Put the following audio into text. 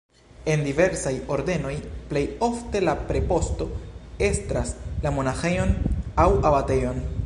En diversaj ordenoj plej ofte la preposto estras la monaĥejon aŭ abatejon.